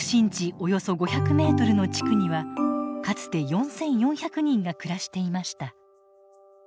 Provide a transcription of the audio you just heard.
およそ５００メートルの地区にはかつて４，４００人が暮らしていました。